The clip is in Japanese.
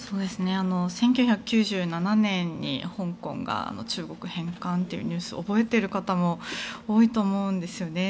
１９９７年に香港が中国返還というニュースを覚えている方も多いと思うんですね。